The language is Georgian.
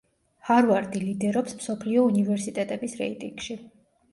ჰარვარდი ლიდერობს მსოფლიო უნივერსიტეტების რეიტინგში.